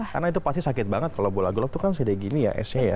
karena itu pasti sakit banget kalau bola golf itu kan sedek gini ya esnya ya